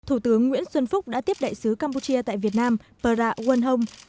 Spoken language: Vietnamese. thủ tướng nguyễn xuân phúc đã tiếp đại sứ campuchia tại việt nam pera wonhong